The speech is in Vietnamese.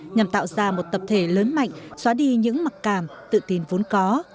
nhằm tạo ra một tập thể lớn mạnh xóa đi những mặc cảm tự tin vốn có